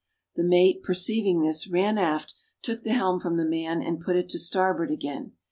The mate, perceiving this, ran aft, took the helm from the man, and put it to starboard again.